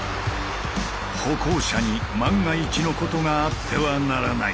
歩行者に万が一のことがあってはならない。